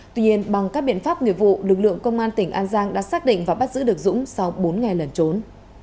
tuy nhiên bằng các biện pháp nghiệp vụ lực lượng công an tỉnh an giang đã xác định và bắt giữ được dũng sau bốn ngày lẩn trốn